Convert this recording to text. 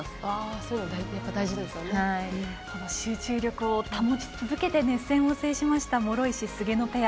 その集中力を保ち続けて熱戦を制した諸石、菅野ペア。